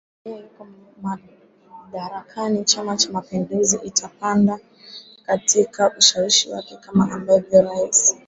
ambacho Samia yuko madarakani Chama cha mapinduzi itapanda katika ushawishi wake Kama ambavyo Rais